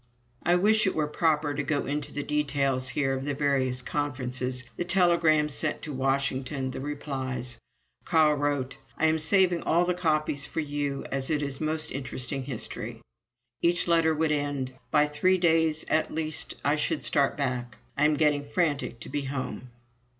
I wish it were proper to go into the details here of the various conferences, the telegrams sent to Washington, the replies. Carl wrote: "I am saving all the copies for you, as it is most interesting history." Each letter would end: "By three days at least I should start back. I am getting frantic to be home."